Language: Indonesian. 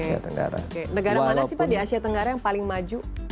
negara mana sih pak di asia tenggara yang paling maju